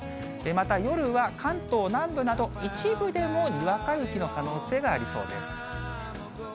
また夜は関東南部など、一部でもにわか雪の可能性がありそうです。